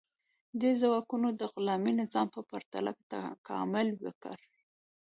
دې ځواکونو د غلامي نظام په پرتله تکامل وکړ.